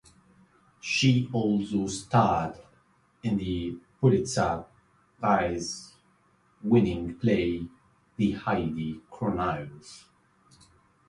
She also starred in the Pulitzer Prize-winning play "The Heidi Chronicles".